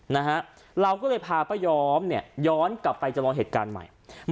นะฮะเราก็เลยพาป้าย้อมเนี่ยย้อนกลับไปจำลองเหตุการณ์ใหม่